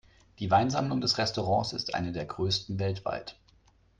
Die Weinsammlung des Restaurants ist eine der größten weltweit.